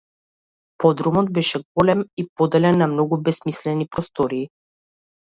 Подрумот беше голем и поделен на многу бесмислени простории.